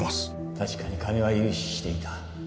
確かに金は融資していた。